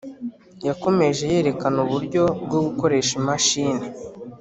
yakomeje yerekana uburyo bwo gukoresha imashini